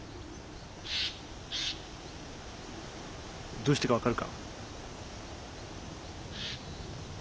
どうしてか分かるか？